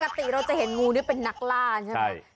อาตรีก็จะเห็นงูเป็นนักล่าใช่ไหม